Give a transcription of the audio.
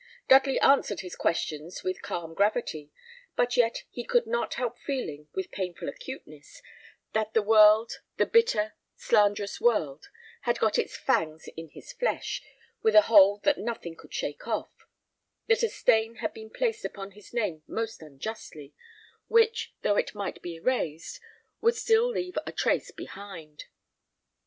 Dudley answered his questions with calm gravity; but yet he could not help feeling, with painful acuteness, that the world, the bitter, slanderous world, had got its fangs in his flesh, with a hold that nothing could shake off; that a stain had been placed upon his name most unjustly, which, though it might be erased, would still leave a trace behind.